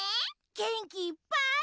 げんきいっぱい。